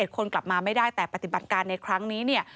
คนกลับมาไม่ได้แต่ปฏิบัติการในครั้งนี้เนี่ย